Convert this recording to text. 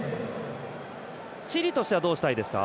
チリとしてはどうしたいですか？